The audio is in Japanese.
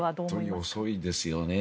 本当に遅いですよね。